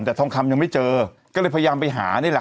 แต่ทองคำยังไม่เจอก็เลยพยายามไปหานี่แหละ